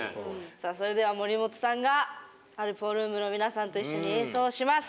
さあそれでは森本さんがアルプホルン部の皆さんと一緒に演奏します。